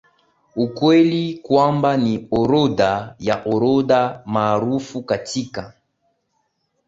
ukweli kwamba ni orodha ya orodha maarufu katika